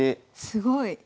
すごい。